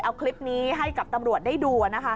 เอาคลิปนี้ให้กับตำรวจได้ดูนะคะ